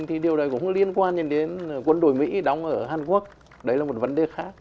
thì điều đấy cũng liên quan đến quân đội mỹ đóng ở hàn quốc đấy là một vấn đề khác